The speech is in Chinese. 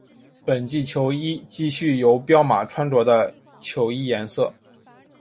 本季球衣继续由彪马穿着的球衣颜色。